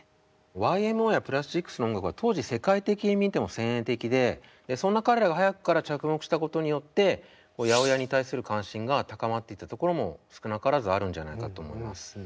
ＹＭＯやプラスチックスの音楽は当時世界的に見ても先鋭的でそんな彼らが早くから着目したことによって８０８に対する関心が高まっていったところも少なからずあるんじゃないかと思います。